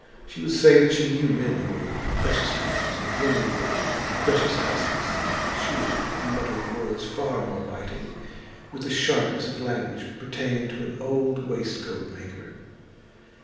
She would say that she knew men who were precious fools and women who were precious hussies, and she would mutter words far more biting, with the sharpness of language pertaining to an old waistcoat maker.